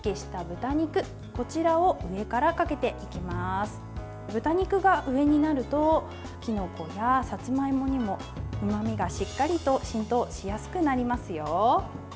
豚肉が上になるときのこや、さつまいもにもうまみがしっかりと浸透しやすくなりますよ。